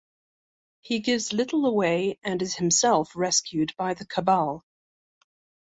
He gives little away, and is himself rescued by the Cabal.